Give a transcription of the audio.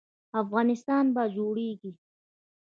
افغانستان به جوړیږي